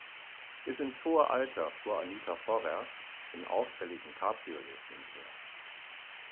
Bis ins hohe Alter fuhr Anita Forrer in auffälligen Cabriolets umher.